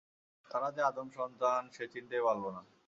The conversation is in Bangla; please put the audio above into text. তারা যে আদম সন্তান সে চিনতেই পারল না।